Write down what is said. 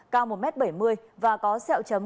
cao một m bảy mươi và có sẹo chấm